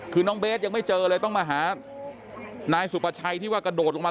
คือน้องเบสยังไม่เจอเลยต้องมาหานายสุภาชัยที่ว่ากระโดดลงมา